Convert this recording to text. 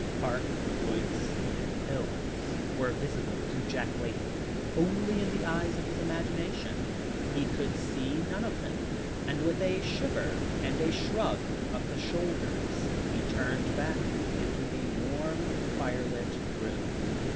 Park, woods, and hills were visible to Jack Layton only in the eyes of his imagination; he could see none of them, and, with a shiver and a shrug of the shoulders, he turned back into the warm fire lit room.